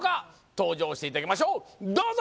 登場していただきましょうどうぞ！